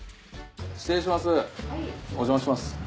失礼します。